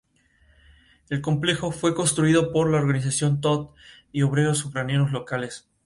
El complejo fue construido por la Organización Todt y obreros ucranianos locales.